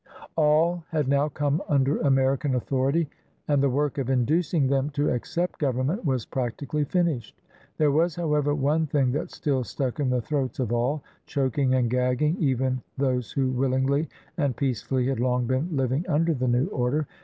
All had now come under American authority, and the work of inducing them to accept government was practically finished. There was, however, one thing that still stuck in the throats of all, choking and gagging even those who willingly and peacefully had long been Uving under the new order.